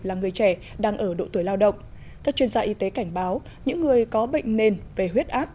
là người trẻ đang ở độ tuổi lao động các chuyên gia y tế cảnh báo những người có bệnh nền về huyết áp